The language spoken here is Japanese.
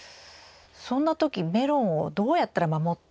そんな時メロンをどうやったら守っていけるんですかね？